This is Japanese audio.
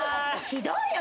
ひどいよ